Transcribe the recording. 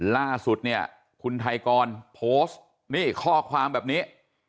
ล่าสุดเนี่ยคุณไทยกรโพสต์นี่ข้อความแบบนี้